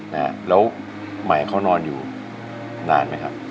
นะฮะแล้วใหม่เขานอนอยู่นานไหมครับ